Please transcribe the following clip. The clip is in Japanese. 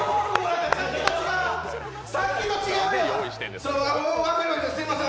さっきと違うやん！